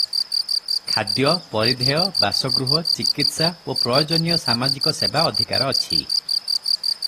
ଖାଦ୍ୟ, ପରିଧେୟ, ବାସଗୃହ, ଚିକିତ୍ସା ଓ ପ୍ରୟୋଜନୀୟ ସାମାଜିକ ସେବା ଅଧିକାର ଅଛି ।